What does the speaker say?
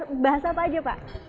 bahasa apa aja pak